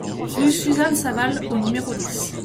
Rue Suzanne Savale au numéro dix